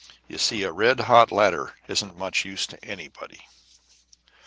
You see, a red hot ladder isn't much use to anybody.